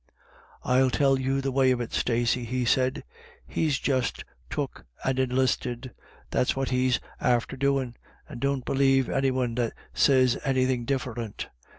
" I'll tell you the way of it, Stacey," he said, "he's just took and enlisted. That's what he's after doin', and don't believe any one that sez any thin' differint.